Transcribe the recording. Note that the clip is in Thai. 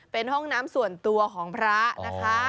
เป็นห้องน้ำส่วนตัวของพระนะคะ